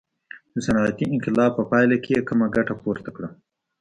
د صنعتي انقلاب په پایله کې یې کمه ګټه پورته کړه.